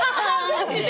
マジで？